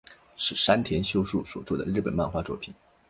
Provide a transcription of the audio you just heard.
是山田秀树所作的日本漫画作品。